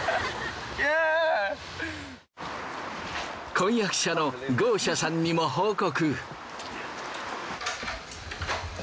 婚約者のゴーシャさんにも報告。